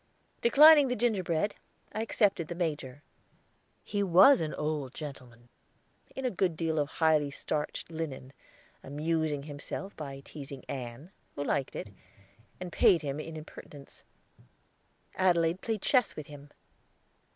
Declining the gingerbread, I accepted the Major. He was an old gentleman, in a good deal of highly starched linen, amusing himself by teazing Ann, who liked it, and paid him in impertinence. Adelaide played chess with him.